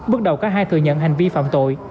bước đầu các hai thừa nhận hành vi phạm tội